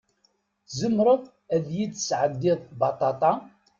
Tzemreḍ ad yid-tesɛeddiḍ baṭaṭa?